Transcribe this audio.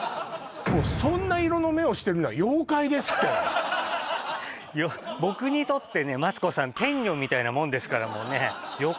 もうそんな色の目をしてるのは妖怪ですって僕にとってねマツコさん天女みたいなもんですからもうね